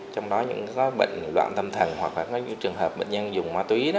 trong đó những bệnh loạn tâm thần hoặc trường hợp bệnh nhân dùng ma túy